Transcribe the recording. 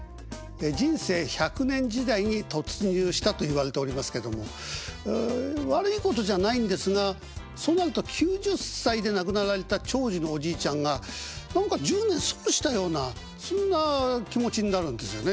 人生１００年時代に突入したといわれておりますけども悪いことじゃないんですがそうなると９０歳で亡くなられた長寿のおじいちゃんが何か１０年損したようなそんな気持ちになるんですよね。